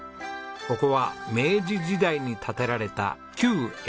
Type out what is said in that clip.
ここは明治時代に建てられた旧ゑびや旅館。